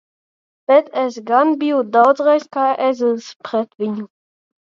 Bet es gan biju daudzreiz kā ezis pret viņu!